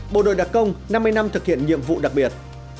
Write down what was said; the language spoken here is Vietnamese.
bộ đội đặc công năm mươi năm thực hiện nhiệm vụ đặc biệt